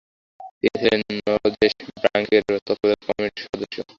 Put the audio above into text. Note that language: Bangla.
তিনি ছিলেন নরজেস ব্যাঙ্কের তত্ত্বাবধায়ক কমিটির সদস্য।